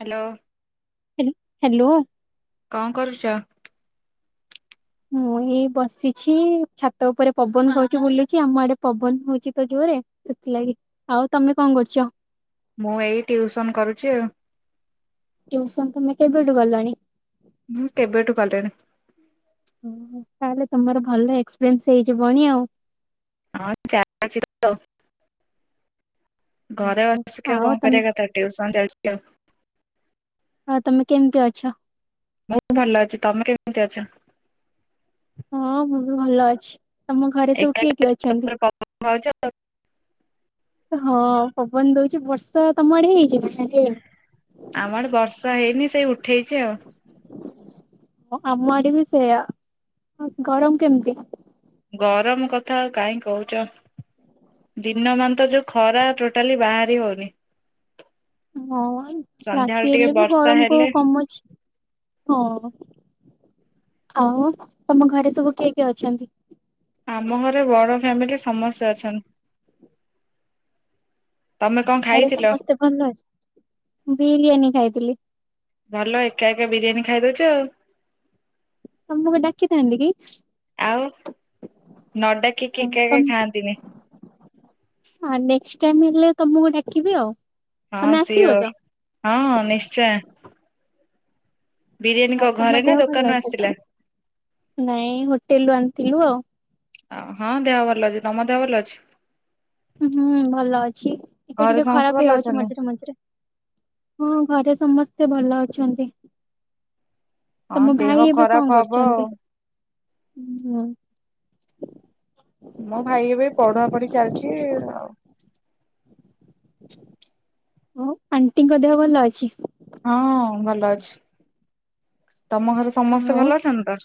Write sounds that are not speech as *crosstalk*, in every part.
Hello. ହାଲ hello. କଣ କରୁଚ? ହୁଁ। ଏଇ ବସିଛି ଛାତ ଉପରେ ପବନ ହଉଚି ବୁଲୁଚି, ଆମ ଆଡେ ପବନ ହଉଚି ତ ଜୋରରେ। ସେଥିଲାଗି ଆଉ ତମେ କଣ କରୁଚ? ମୁଁ ଏଇ ଟିଉସନ କରୁଚି ଆଉ। ଟିଉସନ ତମେ କେବେଠୁ ଗଲଣି? ମୁଁ କେବେଠୁ କଲିଣି। ଓ ତାହଲେ ତୁମର ଭଲ ଏକ୍ସପିରିଏନ୍ସ ହେଇଯିବଣୀ ଆଉ। ହଁ ଚା *unintelligible* ଘରେ ବସିକି ଆଉ କଣ ତମେ କରିବା କଥା ଟିଉସନ ଯାଉଚି ଲୋ। ହଁ ତମେ କେମିତି ଅଛ? ମୁଁ ଭଲ ଅଛି, ତମେ କେମିତି ଅଛ? ହଁ ମୁଁ ବି ଭଲ ଅଛି, ତମ ଘରେ ସବୁ କିଏ କିଏ ଅଛନ୍ତି? ଭାଉଜ। ହଁ ପବନ ଦଉଚି, ବର୍ଷ ତମ ଆଡେ ହେଇଚି ନା? ହେଇନି? ଆମଆଡ଼େ ବର୍ଷା ହେଇନି ସେଇ ଉଠେଇଚି ଆଉ। ଆମ ଆଡେ ବି ସେଇଆ ଗରମ କେମିତି? ଗରମ କଥା ଆଉ କାହିଁ କହୁଚ। ଦିନ ମାନ ତ ଯୋଉ ଖରା ଟୋଟାଲି ବାହାରି ହଉନି। ହଁ ସନ୍ଧ୍ୟାବେଳେ ରାତି ଟିକେ ହେଲେ ବି ବର୍ଷା ଗରମ କଉ ହେଲେ କମୁଚି? ହଁ ଆଉ ତମ ଘରେ ସବୁ କିଏ କିଏ ଅଛନ୍ତି? ଆମ ଘରେ ବଡ ଫ୍ୟାମିଲି ସମସ୍ତେ ଅଛନ୍ତି। ତମେ ତମ କଣ ଘରେ ଖାଇଥିଲ? ସମସ୍ତେ ଭଲ ଅଛ ମୁଁ ବିରିୟାନୀ ଖାଇଥିଲି ଭଲ ଏକା ଏକା ବିରିୟାନୀ ଖାଇଦଉ ଚ ଆଉ। ତମୁକୁ ଡାକିଥାନ୍ତି କି? ଆଉ ନଡାକିକି ଏକା ଏକା ଖାଆନ୍ତିନି। ହଁ ନେକ୍ଷ୍ଟ ଟାଇମ୍ ହେଲେ ତମକୁ ଡାକିବି ଆଉ। ହଁ ତମେ ଆସିବ ତ? ସିଓର୍ ହଁ ନିଶ୍ଚୟ। ବିରିୟାନୀ ହଉ କ ତମ ଘରେ ନା ଦେହ ଭଲ ଦୋକାନରୁ ଅଛି ତ ଆସିଥିଲା? ନାଇଁ ହୋଟେଲ ରୁ ଆଣିଥିଲୁ ଆଉ। ଆ ହଁ ଦେହଭଲ ଅଛି। ତମ ଦେହଭଲ ଅଛି? ହୁଁ ଭଲ ଅଛି ଟିକେ ଘରେ ଟିକେ ସମସ୍ତେ ଖରାପ ଭଲ ହେଇଯାଉଛି ଅଛନ୍ତି? ମଝିରେ ମଝିରେ। ହଁ ଘରେ ସମସ୍ତେ ଭଲ ଅଛନ୍ତି। ହଁ ତମ ଦେହ ଭାଇ ଏବେ ଖରାପ କଣ ହବ ଆଉ କରୁଛନ୍ତି? ଉ ହୁଁ। ମୋ ଭାଇ ଏବେ ପଢା ପଢି ଚାଲଛି ଆଉ। ଆଉ ଆଣ୍ଟିଙ୍କ ଦେହ ଭଲ ଅଛି? ହଁ ଭଲ ଅଛି। ତମ ଘରେ ସମସ୍ତେ ଆଉ ଭଲ ଅଛନ୍ତି ତ?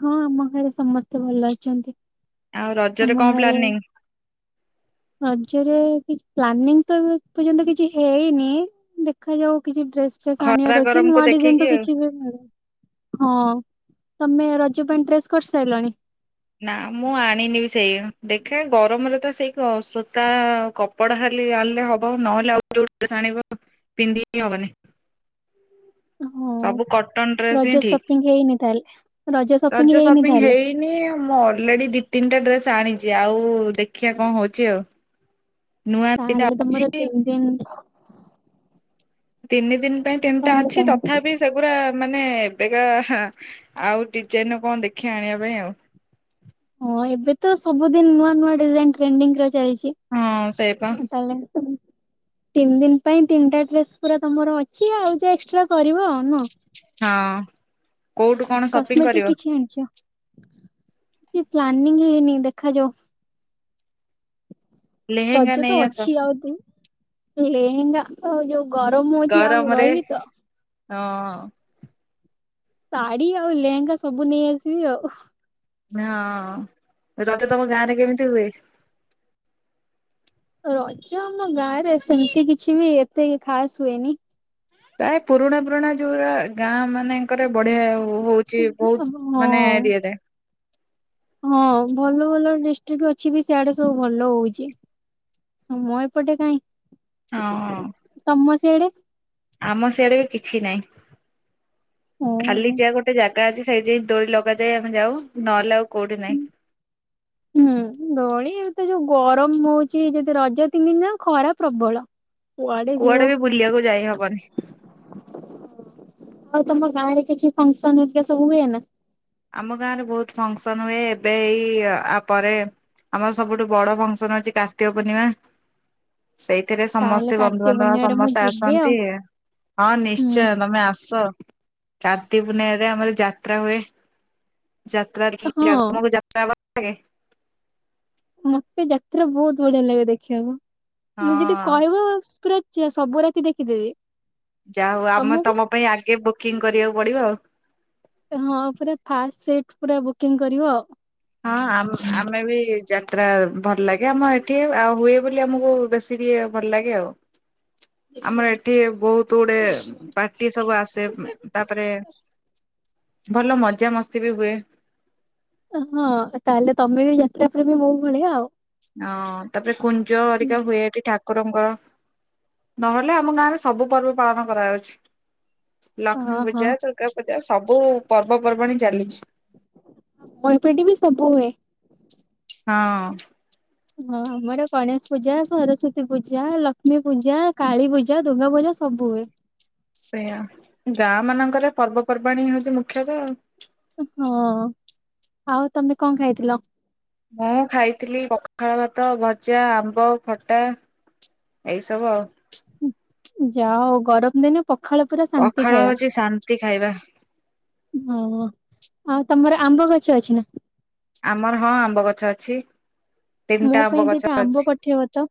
ହଁ ଆମ ଘରେ ସମସ୍ତେ ଭଲ ଅଛନ୍ତି। ଆଉ ରଜରେ ଆମ କଁ ଘରେ ପ୍ଲାନିଂ? ରଜରେ କିଛ ପ୍ଲାନିଂ ତ ଏ ପର୍ଯ୍ୟନ୍ତ କିଛି ହେଇନି, ଦେଖାଯାଉ। କିଛି ଡ୍ରେସ ଫ୍ରେସ ଖରା ଆଣିଆର ଅଛି ଗରମକୁ ନୂଆ ଡିଜାଇନ ଦେଖିକି ତ ଆଉ। କିଛିବି ହଁ। ତମେ ରଜ ପାଇଁ ଡ୍ରେସ କର ସାଇଲଣି? ନା, ମୁଁ ଆଣିନି ବି ସେଇଆ। ଦେଖେ ଗରମରେ ତ ସେଇ କ ସୂତା କପଡା ଖାଲି ଆଣିଲେ ହବ ନହେଲେ ଆଉ ଯୋଉ ଡ୍ରେସ ଆ ଆଣିବ ପିନ୍ଧି ହିଁ ହବନି। ହଁ ସବୁ କଟନ ଡ୍ରେସ ରଜ ହିଁ ସପିଙ୍ଗ ହେଇନି ତାହେଲେ? ଠିକ। ସପିଙ୍ଗ ରଜ ହେଇନି ସପିଙ୍ଗ ତାହେଲେ? ହେଇନି ମୁଁ ଅଲରେଡି ଦି ତିନଟା ଡ୍ରେସ ଆଣି ଚି। ଆଉ ଦେଖିଆ କଁ ହଉଚି ଆଉ। ନୂଆ ଦି ତାହେଲେ ତିନଟା ତମର ଅଛି। ତିନି ଦିନ ତିନି ଦିନ ପାଇଁ ତିନିଟା ତାହେଲେ ଅଛି ତମେ ତଥାପି ସେଗୁରା ମା ନେ ଏବେକା ହାଁ ଆଉ ଡିଜାଇନ ଦେଖିଆ କଁ ଆଣିଆ ପାଇଁ ଆଉ। ହଁ ଏବେ ତ ସବୁଦିନ ନୂଆ ନୂଆ ଡିଜାଇନ ଟ୍ରେଣ୍ଡିଙ୍ଗ ରହି ଯାଇଚି ହଁ ସେଇପା ତମର ତ ତିନି ଦିନ ପାଇଁ ତିନିଟା ଡ୍ରେସ ପୁରା ତମର ଅଛି ଆଉ ଯା ଏକ୍ସଟ୍ରା କରିବ ଆଉ ନୁହଁ। ହଁ କୋଉଠୁ କଣ ସପିଂ କସ୍ମେଟିକ କରିବ? କିଛି ଆଣିଛ? କିଛି ପ୍ଲାନିଂ ହେଇନି ଦେଖାଯାଉ। ଲେହେଙ୍ଗା ରଜ ତ ନେଇ ଆସ ଅଛି ଆଉରି। ଲେହେଙ୍ଗା ତ ଯୋଉ ଗରମ ହଉଚି ଆଉ ଗରମରେ ରହିବି ତ। ହଁ ଅଁ। ଶାଢୀ ଆଉ ଲେହେଙ୍ଗା ସବୁ ନେଇ ଆସିବି ଆଉ। ହଁ ରଜ ତମ ଗାଁରେ କେମିତି ହୁଏ? ରଜ ଆମ ଗାଁରେ ସେମିତି କିଛି ବି ଏତେ ଖାସ ହୁଏନି। ପ୍ରାୟ ପୁରୁଣା ପୁରୁଣା ଯୋଉରା ଗାଁ ମାନେ ଙ୍କରେ ବଢିଆ ହଉଚି ବହୁତ ହଁ। ମାନେ ଏରିଆରେ। ହଁ ଭଲ ଭଲ ଡିଷ୍ଟ୍ରିକ ଅଛି ବି ସିଆଡେ ସବୁ ଭଲ ହଉଚି। ଆମ ଏପଟେ କାଇଁ? ଅଁ ହଁ। ତମ ସିଆଡେ? ଆମ ସିଆଡେ ବି କିଛି ନାଇଁ ଖାଲି ଓହୋ। ଯା ଗୋଟେ ଜାଗ ଗା ଅଛି ସେଇଠି ଯାଇ ଦୋଳି ଲଗାଯାଏ ଆମେ ଯାଉ, ନହଲେ ଆଉ କୋଉଠି ନାହିଁ। ଏ ଯୋଉ ଗରମ ହଉଚି ଯଦି ରଜ ତିନି ଦିନ ଯାକ ଖରା ପ୍ରବଳ। କୁଆଡେ ବି ବୁଲିବାକୁ ଯାଇହବନି। ଆଉ ତମ ଗାଁରେ କିଛି ଫଙ୍କସନ ହେରିକା ସବୁ ହୁଏ ନା? ଆମ ଗାଁରେ ବହୁତ ଫଙ୍କସନ ହୁଏ, ଏବେ ଏଇ ଆ ପରେ ଆମର ସବୁଠୁ ବଡ ଫଙ୍କସନ ଅଛି କାର୍ତ୍ତିକ ପୂର୍ଣ୍ଣିମା। *inaudible* ସେଇଥିରେ ତାହେଲେ ସମସ୍ତେ କାର୍ତ୍ତିକ ବନ୍ଧୁବାନ୍ଧବ ପୂର୍ଣ୍ଣିମାରେ ମୁଁ ସମସ୍ତେ ଯିବି ଆଉ। ଆସନ୍ତି। ହଁ ହୁଁ ନିଶ୍ଚୟ ତମେ ଆସ କାର୍ତ୍ତିକ ପୂର୍ଣ୍ଣିମାରେ ଆମର ଯାତ୍ରା ହୁଏ। ଯାତ୍ରା ଦେଖିଆକୁ ହଁ ତମକୁ ଯାତ୍ରା ଭଲ ଲାଗେ? ମତେ ଯାତ୍ରା ବହୁତ ବଢିଆ ଲାଗେ ଦେଖିବାକୁ ମ ଯଦି ହଁ। କହିବ ପୁରା *unintelligible* ସବୁ ରାତି ଦେଖିଦେବି। ଯା ହଉ ଆମେ ତମକୁ ତମ ପାଇଁ ଆଗେ ବୁକିଂ କରିବାକୁ ପଡିବ ଆଉ। ହଁ ପୁରା ଫାଷ୍ଟ ସିଟ ପୁରା ବୁକିଂ କରିବ ଆଉ। ହଁ ଆମେ ବି ଯାତ୍ରା ଭଲ ଲାଗେ ଆମ ଏଠି ଆଉ ହୁଏ ବୋଲି ଆମକୁ ବେଶୀ ଟିକେ ଭଲ ଲାଗେ ଆଉ ଆମର ଏଠି ବହୁତ ଗୁଡେ ପାର୍ଟି ସବୁ ଆସେ ତାପରେ ଭଲ ମଜାମସ୍ତି ବି ହୁଏ। ହଁ ତାହେଲେ ତମେ ବି ଯାତ୍ରା ପ୍ରେମ ମୋ ଭଳିଆ ଆଉ। ହଁ ତାପରେ କୁଞ୍ଜ ହେରିକା ହୁଏ। ଏଠି ଠାକୁ ଠାକୁରଙ୍କର ନହେଲେ ଆମ ଗାଁରେ ସବୁ ପର୍ବ ପାଳନ କରାଯାଉଛି। ହଁ ଲକ୍ଷ୍ମୀ ହଁ ପୂଜା ଦୁର୍ଗା ପୂଜା ସବୁ ପର୍ବପର୍ବାଣୀ ଚାଲିଛି। *unintelligible* ବି ସବୁ ହୁଏ। ହଁ। ହଁ ଆମର ଗଣେଶ ପୂଜା ସରସ୍ଵତୀ ପୂଜା ଲକ୍ଷ୍ମୀ ପୂଜା କାଳୀ ପୂଜା ଦୁର୍ଗା ପୂଜା ସବୁ ହୁଏ। ସେୟା ଗାଁ ମାନଙ୍କରେ ପର୍ବପର୍ବାଣ ହଉଛି ମୁଖ୍ୟତଃ। ହଁ ଆଉ ତମେ କଣ ଖାଇଥିଲ? ମୁଁ ଖାଇଥିଲି ପଖାଳ ଭାତ ଭଜା ଆମ୍ବ ଖଟା ଏଇସବୁ ଆଉ। ଯାଅ ଗରମ ଦିନ ପଖାଳ ପୁରା ଶାନ୍ତି ପଖାଳ ଖାଇବା। ହଉଛି ଶାନ୍ତି ଖାଇବା ହଁ ଆଉ ତମର ଆମ୍ବ ଗଛ ଅଛି ନା? ଆମର ହଁ ଆମ୍ବ ଗଛ ଅଛି ମୋ ତିନିଟା ପାଇଁ ଆମ୍ବ ଗଛ ଦିଟା ଆମ୍ବ ଅଛି। ପଠେଇବ ତ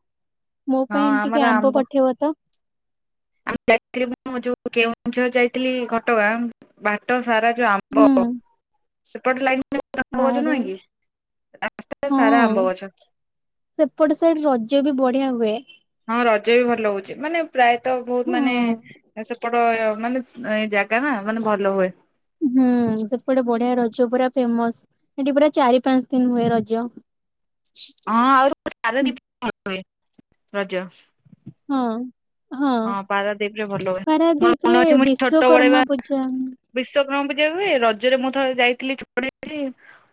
ମୋ ହଁ ପାଇଁ ଟିକେ ଆମର ଆମ୍ବ ପଠେଇବ ତ ଆ ଯାଇଥିଲି ମୁଁ ଯୋଉଁ ମୁଁ କେଉଁଝର ଯାଇଥିଲି ଘଟଗାଁ ବାଟ ସାରା ଯୋଉ ଆମ୍ବ। ହୁଁ ସେପଟେ ଲାଇନ ରେ ଆମ୍ବ ଗଛ ଆରେ ନୁହେଁ କି ରାସ୍ଥା ସାରା ଆମ୍ବ ଗଛ। ସେପଟେ ସାଇଡ ରଜ ବି ବଢିଆ ହୁଏ। ହଁ ରଜ ବି ଭଲ ଲାଗୁଛି ମାନେ ପ୍ରାୟତଃ ବହୁତ ହଁ ମାନେ ସେପଟ ମାନେ ଏ ଜାଗା ନା ମାନେ ଭଲ ହୁଏ। ହୁଁ ସେପଟେ ବଢିଆ ରହୁଛି। ରଜ ପୁରା ଫେମସ ସେଠି ପୁରା ଚାରି ପାଞ୍ଚ ଦିନ ହୁଏ ରଜ। *unintelligible* ରଜ। ହଁ। ହଁ ପାରାଦୀପ ରେ ଭଲ ହୁଏ। ମୋର ପାରାଦୀପ ମନେ ରେ ଅଛି ମୁଁ ଛୋଟ ବେଳେ ବା ବିଶ୍ଵକର୍ମା ପୂଜା *unintelligible* ରଜରେ ମୁଁ ଥରେ ଯାଇଥିଲି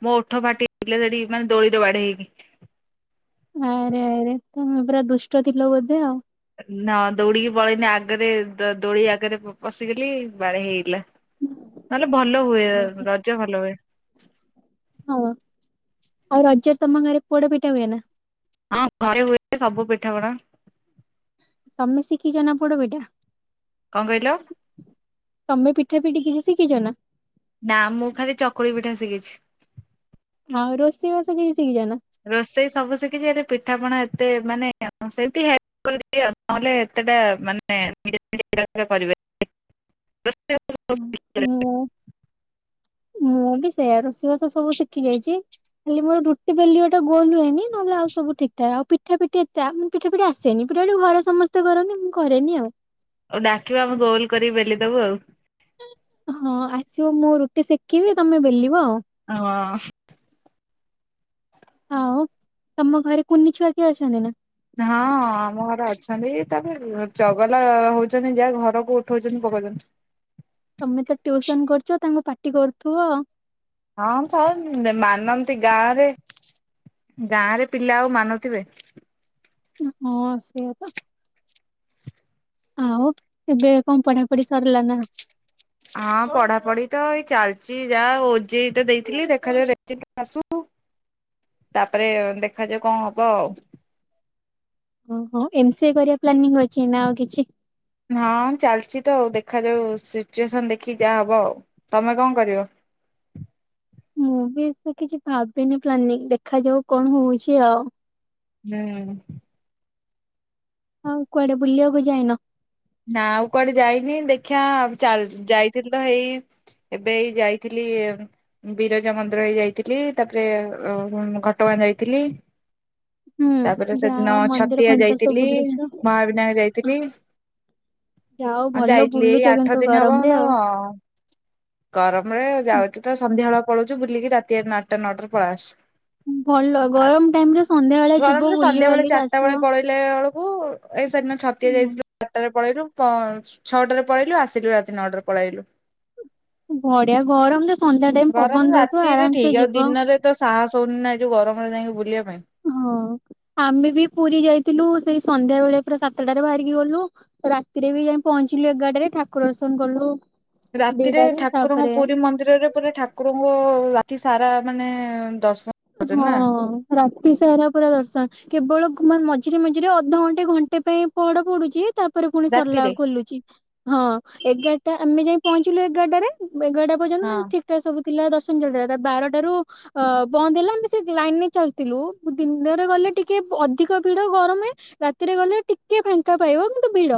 ମୋ ଓଠ ଫାଟିଯାଇଥିଲା ସେଠି ମାନେ ଦୋଳି ରେ ବାଜି ଦେଇନି। ଆରେ ଆରେ ତମେ ପୁରା ଦୁଷ୍ଟ ଥିଲ ବୋଧେ ଆଉ। ନ ଦୌଡ଼ିକି ପଳେଇନି ଆଗରେ ଦୋଳି ଆଗରେ ପଶିଗଲି ବାଡେଇ ହେଇଗଲା। ନହେଲେ ଭଲ ହୁଏ ଆରେ ଆରେ, ରଜ ଭଲ ହୁଏ। ହଁ ଆଉ ରଜରେ ତମ ଘରେ ପୋଡ଼ ପିଠା ହୁଏ ନା? ହଁ ଘରେ ହୁଏ ସବୁ ପିଠା ପଣା। ତମେ ଶିଖିଛ ନା ପୋଡ଼ପିଠା? କଣ କହିଲ? ତମେ ପିଠା ପିଠି କିଛି ଶିଖିଛନା? ନା ମୁଁ ଖାଲି ଚକୁଳି ପିଠା ଶିଖିଛି। ଆଉ ରୋଷେଇ ବାସ କିଛି ଶିକିଛ ନା? ରୋଷେଇ ସବୁ ଶିଖିଛି ଏ ପିଠାପଣା ଏତେ ମାନେ ସେମିତି ହେଲ୍ପ କଲେ କରିବି ଆଉ ନହେଲେ ସେଟା ମାନେ ନି କରିବେ ହୁଁ, *unintelligible* ମୁଁ ମୁଁ ବି ସେୟା ରୋଷେଇବାସ ସବୁ ଶିଖି ଯାଇଛି। ଖାଲି ମୋର ରୁଟି ବେଲିବା ଟା ଗୋଲ ହୁଏନି ନ ହେଲେ ଆଉ ସବୁ ଠିକ ଠକ ପିଠା ପିଠି ଏତେ ପିଠା ପିଠି ଆସେନି। ଏପଟେଆଡୁ ଘରେ ସମସ୍ତେ କରନ୍ତି ମୁଁ କରେନି ଆଉ। ଅଉ ଡାକିବ ଆମେ ଗୋଲ କରି ବେଲି ଦବୁ ଆଉ। ହଁ ଆସିବ ମୁଁ ରୁଟି ସେକିବି ତମେ ବେଲିବ ଆଉ। ହଁ। ଆଉ ତମ ଘରେ କୁନି ଛୁଆ କିଏ ଅଛନ୍ତି ନା? ହଁ ଆମ ଘରେ ଅଛନ୍ତି। ତାପରେ ଚଗଲା ହଉଚନ୍ତି ଯାହା ଘରକୁ ଉଠଉଚନ୍ତି ପକ୍ ପ୍ରେଗେଁଣ୍ଟ୍। ତମେ ତ ଟିଉସନ କରୁଚ ତାଙ୍କୁ ପାଟି କରୁଥିବ। ହଁ ଥାଉ ଉଁ ଉଁ ଯେ ମାନନ୍ତି ଗାଁ ରେ। ଗାଁରେ ପିଲା ଆଉ ମାନୁଥିବେ? ହଁ ସେୟା ପା। ଆଉ ଏବେ କଣ ପଢା ପଢି ସରିଲା ନା କଁ? ହଁ ପଢାପଢି ତ ଏଇ ଚାଲଚି ଯାହା ଓଜେଇ ତ ଦେଇଥିଲି ଦେଖାଯାଉ *unintelligible* ଆସୁ। ହଁ *inaudible* ତାପରେ ଦେଖାଯାଉ କଣ ହବ ଆଉ। ଉଁ ହୁଁ ଏମ ସି ଏ କରିବା ପ୍ଲାନିଂ ଅଛି ନା ଆଉ କିଛି? ହଁ ଚାଲଚି ତ ଆଉ ଦେଖାଯାଉ ସିଚୁଏସନ ଦେଖିକି ଯାହା ହବ। ଆଉ ତମେ କଣ କରିବ? *inaudible* ମୁଁ ବି ସେ କିଛି ଭାବିନି ପ୍ଲାନିଂ ଦେଖାଯାଉ କଣ ହଉଚି ଆଉ। ହୁଁ। ହଁ କୁଆଡେ ବୁଲିବାକୁ ଯାଇନ। ନା ଆଉ କୁଆଡେ ଯାଇନି ଦେଖିବା ଚାଲ୍ ଯାଇଥିଲି ତ ହେଇ ଏବେ ଏଇ ଯାଇଥିଲି ବିରଜା ମନ୍ଦିର ହେଇ ଯାଇଥିଲି ତାପରେ ଉ ହୁଁ ଘଟ ଗାଁ ଯାଇଥିଲି। ହୁଁ ତାପରେ ସେଦିନ ଯାଅ ମନ୍ଦିର ଛତିଆ ଫନ୍ଦିର ସବୁ ବୁଲିଛ। ଯାଇଥିଲିମହାବିନାୟକ ଯାଇଥିଲି ଯାଅ ହଁ ଭଲ ଯାଇଥିଲି ଏଇ ବୁଲୁଛ ଆଠ କିନ୍ତୁ ଦିନ ହବ ଗରମରେ *unintelligible* ଆଉ। ହଁ। ଗରମ ରେ ଯାଉଚି ତ ସନ୍ଧ୍ୟା ବେଳା ପଳଉଚୁ ବୁଲିକି ରାତି ଆଠ ନଅଟା ନଅଟାରେ ପଳାଇ ଆସୁ। ହୁଁ। ଗରମରେ ବୁଲି ସନ୍ଧ୍ୟା ବେଳେ ବାଲିକି ଚାରଟା ଆସିବ। ବେଳେ ପଳେଇଲେ ବେଳକୁ ଏଇ *unintelligible* ହତିଆ ଯାଇଥିଲୁ ଅଟରେ ପଳେଇଲୁ ତ ଛଅଟାରେ ପଳେଇଲୁ ଆସିଲୁ ରାତି ନଅଟାରେ ପଳେଆଇଲୁ। ବଢିଆ ଗରମ ତ ଗରମ ରାତିରେ ଠିକ ଆଉ ଦିନରେ ତ ସାହସ ହଉନି ନା ଏ ଯୋଉ ଗରମରେ ଯାଇଁକି ବୁଲିଆକ୍ ହଁ ଆମେ ବି ପୁରୀ ଯାଇଥିଲୁ। ସେଇ ସନ୍ଧ୍ୟା ବେଳେ ପୁରା ସାତଟାରେ ବାହାରିକି ଗଲୁ ରାତିରେ ବି ଯାଇଁ ପହଞ୍ଚିଲୁ ଏଗାରଟାରେ ଠାକୁର ଦର୍ଶନ କଲୁ। ରାତିରେ ଦିଟାରେ ଠାକୁରଙ୍କ ତାପରେ ପୁରୀ ମନ୍ଦିରରେ ପୁରା ଠାକୁରଙ୍କ ରାତି ସାରା ମାନେ ଦର୍ଶ ହଁ ରାତି ସାରା ପୁରା ଦର୍ଶନ। କେବଳ ମୋ ମଝିରେ ମଝିରେ ଅଧଘଣ୍ଟେ ଘଣ୍ଟେ ପାଇଁ ପହଡ ପଡ଼ୁଚି ତାପରେ ପୁଣି ସରିଲା ରାତିରେ ଖୋଲୁଚି। ହଁ ଏଗାରଟା ଆମେ ଯାଇ ପହଞ୍ଚିଲୁ ଏଗାରଟାରେ ଏଗାରଟା ପର୍ଯ୍ୟନ୍ତ ହଁ ମାନେ ଠିକ ଠାକ ସବୁ ପିଲା ଦର୍ଶନ ଚାଲିଥିଲା। ତାପରେ ବାରଟାରୁ ଅ ବନ୍ଦ ହେଲା। ଆମେ ସେ ଲାଇନରେ ଚାଲିଥିଲୁ ଦିନରେ ଗଲେ ଟିକେ ଅଧିକ ଭିଡ ଗରମ ହୁଏ। ରାତିରେ ରେ ଗଲେ ଟିକେ ଫାଙ୍କା ପାଇବ। କିନ୍ତୁ ଭିଡ।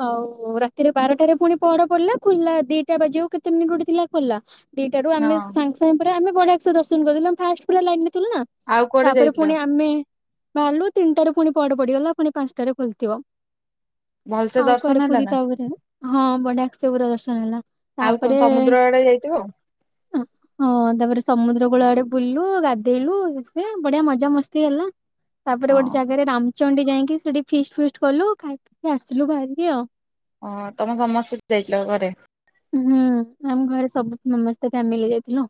ହଉ ରାତିରେ ବାରଟାରେ ପୁଣି ପହଡ ପଡିଲା। ଖୋଲିଲା ଦିଟା ବାଜିଆକୁ କେତେ ମିନିଟ ଗୋଟେ ଥିଲା ଖୋଲଲା ଦିଟା ରୁ ଆମେ ହଁ ସାଙ୍ଗ ସାଙ୍ଗ ରେ ଆମେ ବଢିଆ ଦର୍ଶନଦଲୁ ଫାା ଥିଲୁ ନା ଆଉ କୁଆଡେ ତାପରେ ଯାଇଥିଲ? ପୁଣି ଆମେ ବାହାରିଲୁ ତିନିଟାରୁ ପୁଣି ପହଡ ପଡ଼ିଗଲା। ପୁଣି ପାଞ୍ଚଟାରେ ଖୋଲିଥିବ। ଭଲସେ ଆଉ ଦର୍ଶନ କୁଆଡେ ହେଲା ପୁରୀ ନା ତା ଉପରେ ହଁ ବଢାକ୍ ସେ ପୁରା ଦର୍ଶନ ହେଇଗଲା। ଆଉ କଣ ସମୁଦ୍ର ଆଡେ ଯାଇଥିବ ଆଉ? ହଁ ତାପରେ ସମୁଦ୍ରକୂଳ ଆଡେ ବୁଲୁ ଗାଧେଇଲୁ ସେ ବଢିଆ ମଜା ମସ୍ତି ହେଲା ତାପରେ ଗୋଟେ ହଁ। ଜାଗାରେ ରାମ ଚଣ୍ଡୀ ଯାଇକି ସେଠି ଫିଷ୍ଟ ଫିଷ୍ଟ କଲୁ ଖାଇିପି କି ଆସିଲୁ ବାହାରିକି ଆଉ। ଓଁ ତମେ ସମସ୍ତେ ଯାଇଚ ଘରେ। ହୁଁ ଆମ ଘରେ ସବୁ ସମସ୍ତେ ଫ୍ୟାମିଲି ଯାଇଥିଲୁ।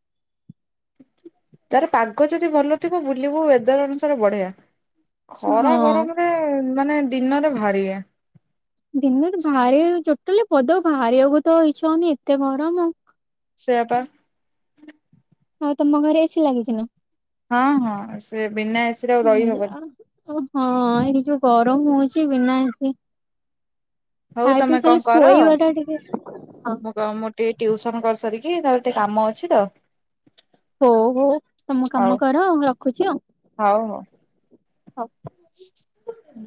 ତାର ପାଗ ଯଦି ଭଲ ଥିବ ବୁଲିବୁ ୱଦର ଅନୁସାରେ ବଢିଆ। ଖରା ହଁ। ଗରମରେ ମାନେ ଦିନରେ ଭାରି ଇଏ। ଦିନରେ ଭାରି ଟୋଟାଲି ବଦ ବାହାରିବାକୁ ତ ଇଚ୍ଛା ହଉନି ଏତେ ଗରମ ଆଉ। ସେଆପା। ଆଉ ତମ ଘରେ ଏସି ଲାଗିଛି ନା। ହଁ ହଁ ସେ ବିନା ଏସିରେ ଆଉ ରହିହବନି। ଓ ହଁ ଏଇଠି ଯୋଉ ଗରମ ହଉଛି ବିନା ଏସି। ହଉ ଖାଇ ତମେ ପିଇ କଣ ଖାଲି କର ଶୋଇବା ଟା ଟିକେ ହଁ। ମୁଁ କ ମୁଁ ଟିକେ ଟ୍ୟଉସନ କରିସାରିକି ତାର ଟିକେ କାମ ଅଛି ତ। ହଉ ହୋ ତମ କାମ ହଉ କର ଆଉ ରଖୁଛି ଆଉ। ହଉ ହଉ। ହଁ। ହୁଁ।